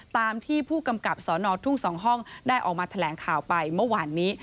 ตามที่ผู้กำกับสนทุ่ง๒ห้องได้ออกมาแถลงข่าวไปเมื่อวานนี้